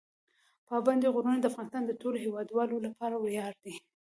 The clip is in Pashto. پابندي غرونه د افغانستان د ټولو هیوادوالو لپاره ویاړ دی.